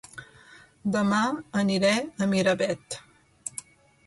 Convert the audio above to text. Dema aniré a Miravet